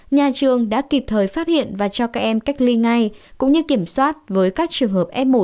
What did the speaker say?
nhà trường đã kịp thời phát hiện và cho các em cách ly ngay cũng như kiểm soát với các trường hợp f một